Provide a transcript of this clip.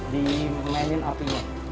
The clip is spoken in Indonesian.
di mainin apinya